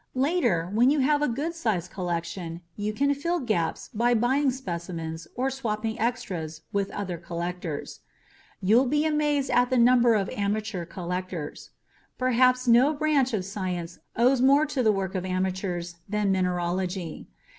Later, when you have a good sized collection, you can fill gaps by buying specimens or swapping extras with other collectors. You'll be amazed at the number of amateur collectors. Perhaps no branch of science owes more to the work of amateurs than mineralogy.